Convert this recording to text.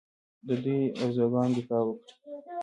د دوی ارزوګانو دفاع وکړي